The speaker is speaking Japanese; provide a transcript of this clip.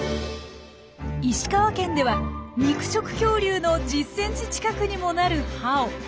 石川県では肉食恐竜の１０ｃｍ近くにもなる歯を。